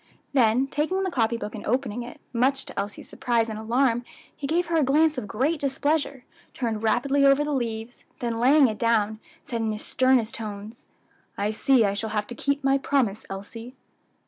Then taking the copy book and opening it, much to Elsie's surprise and alarm he gave her a glance of great displeasure, turned rapidly over the leaves, then laying it down, said in his sternest tones, "I see I shall have to keep my promise, Elsie."